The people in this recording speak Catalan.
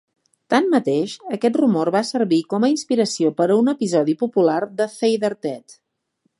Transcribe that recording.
Tanmateix, aquest rumor va servir com a inspiració per a un episodi popular de "Father Ted".